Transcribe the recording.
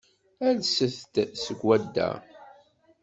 Alset-d seg swadda.